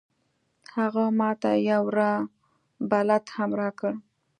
هغه ما ته یو راه بلد هم راکړ.